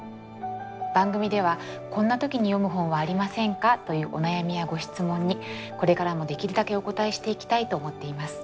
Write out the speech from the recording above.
番組では「こんな時に読む本はありませんか？」というお悩みやご質問にこれからもできるだけお答えしていきたいと思っています。